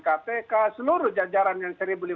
kpk seluruh jajaran yang